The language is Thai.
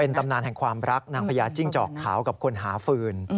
ตำนานแห่งความรักนางพญาจิ้งจอกขาวกับคนหาฟืน